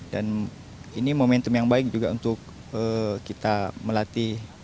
dan ini momentum yang baik juga untuk kita melatih